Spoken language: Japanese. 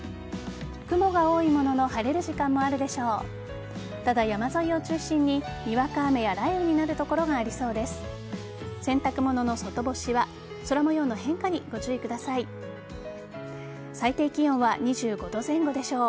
雲が多いものの晴れる時間もあるでしょう。